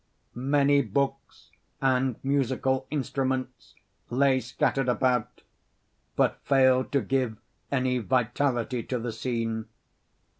Many books and musical instruments lay scattered about, but failed to give any vitality to the scene.